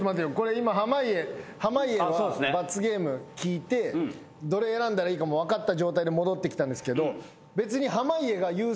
今濱家は罰ゲーム聞いてどれ選んだらいいかも分かった状態で戻ってきたんですけど別に。